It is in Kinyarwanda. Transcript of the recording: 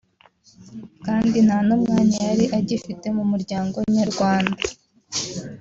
kandi nta n’umwanya yari agifite mu muryango nyarwanda